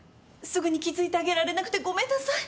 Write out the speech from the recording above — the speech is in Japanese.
すぐに気付いてあげられなくてごめんなさい。